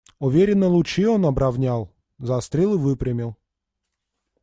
Уверенно лучи он обровнял, заострил и выпрямил.